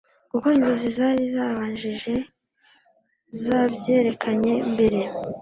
kuko inzozi zari zabashajije zabyerekanye mbere